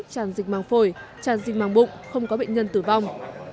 tràn dịch màng phổi tràn dịch màng bụng không có bệnh nhân tử vong